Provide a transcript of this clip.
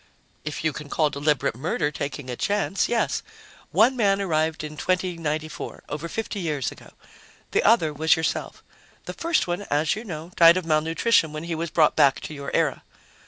"If you can call deliberate murder taking a chance, yes. One man arrived in 2094, over fifty years ago. The other was yourself. The first one, as you know, died of malnutrition when he was brought back to your era."